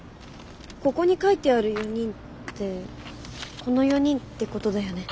ここに書いてある４人ってこの４人ってことだよね。